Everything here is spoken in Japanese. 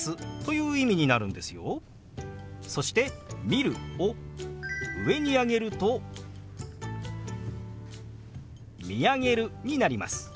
そして「見る」を上に上げると「見上げる」になります。